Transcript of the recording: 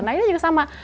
nah ini juga sama